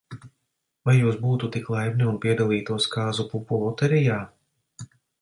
Vai jūs būtu tik laipni, un piedalītos kāzu pupu loterijā?